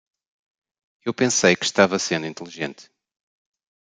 Eu pensei que estava sendo inteligente.